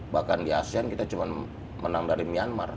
bahkan di asean kita cuma menang dari myanmar